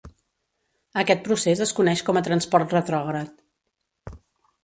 Aquest procés es coneix com a transport retrògrad.